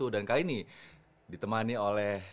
dan kali ini ditemani oleh